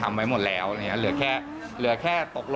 ถ้าส่วนตัวถ้าคุยกันสองคนนะครับผม